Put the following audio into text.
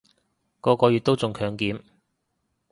個個月都中強檢